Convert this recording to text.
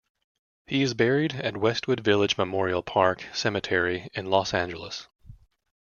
He is buried at Westwood Village Memorial Park Cemetery in Los Angeles.